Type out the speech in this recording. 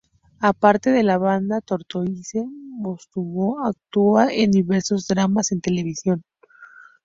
Aparte de la banda, Tortoise Matsumoto actúa en diversos dramas en televisión.